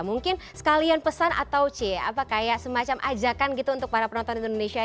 mungkin sekalian pesan atau ci apa kayak semacam ajakan gitu untuk para penonton indonesia